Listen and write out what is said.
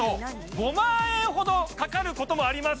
５万円ほどかかることもあります